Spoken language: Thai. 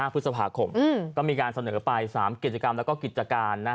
พฤษภาคมก็มีการเสนอไป๓กิจกรรมแล้วก็กิจการ